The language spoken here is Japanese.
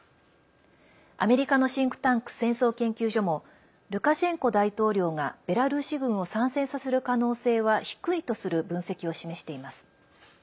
アメリカのシンクタンク戦争研究所もルカシェンコ大統領がベラルーシ軍を参戦させる可能性は低いとする分析を示しています。